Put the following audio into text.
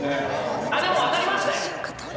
でも分かりましたよ。